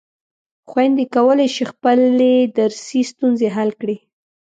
خویندې کولای شي خپلې درسي ستونزې حل کړي.